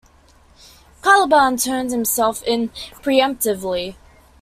Caliban turns himself in preemptively.